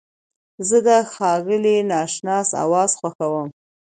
زه د ښاغلي ناشناس اواز خوښوم.